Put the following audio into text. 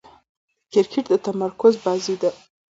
کرکټ د تمرکز بازي ده.